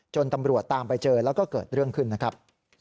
ตำรวจตามไปเจอแล้วก็เกิดเรื่องขึ้นนะครับ